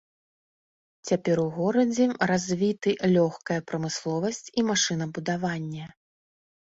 Цяпер у горадзе развіты лёгкая прамысловасць і машынабудаванне.